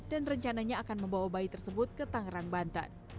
dan rencananya akan membawa bayi tersebut ke tangerang bantan